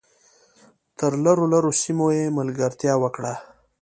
تر لرو لرو سیمو یې ملګرتیا وکړه .